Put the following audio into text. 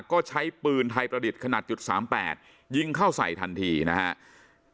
ก็ใช้ปืนไทยประดิษฐ์ขนาด๓๘ยิงเข้าใส่ทันทีนะครับ